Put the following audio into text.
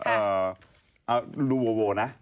เอ่อลูโวโวนะ